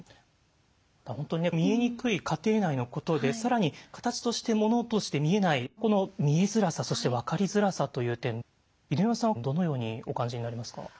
本当に見えにくい家庭内のことで更に形としてものとして見えないこの見えづらさそして分かりづらさという点犬山さんはどのようにお感じになりますか？